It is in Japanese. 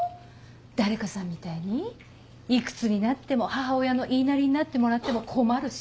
誰かさんみたいにいくつになっても母親の言いなりになってもらっても困るし。